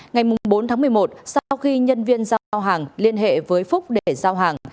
ngày bốn tháng một mươi một sau khi nhân viên giao hàng liên hệ với phúc để giao hàng